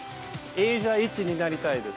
アジア１になりたいです。